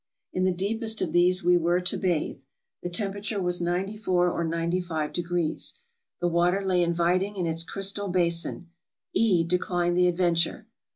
In the deepest of these we were to bathe. The tempera ture was 940 or 95 °. The water lay inviting in its crystal basin. E declined the adventure.